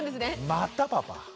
「また？パパ」。